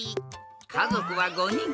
かぞくは５にん。